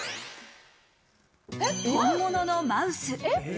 本物のマウス。